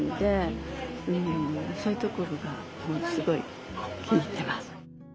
うんそういうところがすごい気に入ってます。